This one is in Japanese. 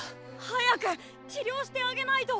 早く治療してあげないと。